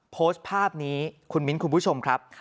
โพสต์ภาพนี้คุณมิ้นคุณผู้ชมครับ